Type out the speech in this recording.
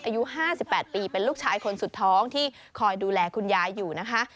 อายุ๕๘ปีเป็นลูกชายคนสุดท้องที่คอยดูแลคุณยายอยู่นะคะ